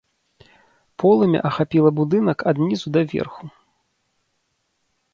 Полымя ахапіла будынак ад нізу да верху.